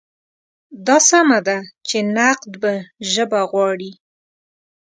دا سمه ده چې نقد به ژبه غواړي.